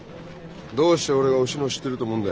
どうして俺がおしのを知ってると思うんだ？